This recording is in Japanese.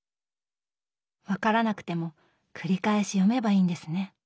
分からなくても繰り返し読めばいいんですね。